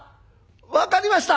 分かりました。